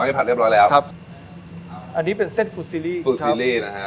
อันนี้ผัดเรียบร้อยแล้วอันนี้เป็นเส้นฟูซิลี่นะครับ